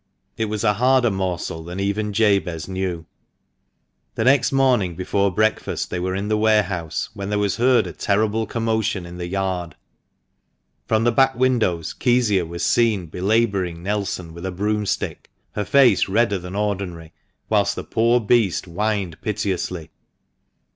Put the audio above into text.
It was a harder morsel than even Jabez knew. The next morning before breakfast they were in the warehouse, when there was heard a terrible commotion in the yard. From the back windows Kezia was seen belabouring Nelson with a broomstick, her face redder than ordinary, whilst the poor beast whined piteously.